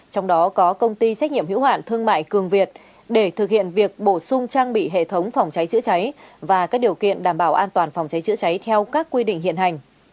trong đó có công ty trách nhiệm hữu hạn thương mại cường việt để thực hiện việc bổ sung trang bị hệ thống phòng cháy chữa cháy và các điều kiện đảm bảo an toàn phòng cháy chữa cháy theo các quy định hiện hành